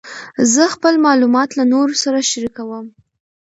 زه خپل معلومات له نورو سره شریکوم.